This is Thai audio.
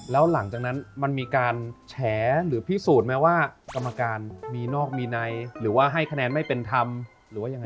แล้วหลังจากนั้นมันมีการแฉหรือพิสูจน์ไหมว่ากรรมการมีนอกมีในหรือว่าให้คะแนนไม่เป็นธรรมหรือว่ายังไง